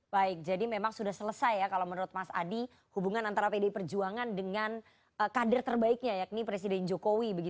baik jadi memang sudah selesai ya kalau menurut mas adi hubungan antara pdi perjuangan dengan kader terbaiknya yakni presiden jokowi